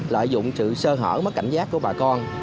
lợi dụng sự sơ hở mất cảnh giác của bà con